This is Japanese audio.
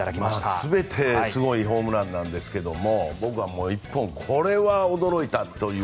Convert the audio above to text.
全てすごいホームランなんですけども僕は、１本これは驚いたという。